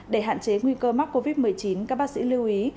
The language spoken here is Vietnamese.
để hạn chế nguy cơ mắc covid một mươi chín các bác sĩ lưu ý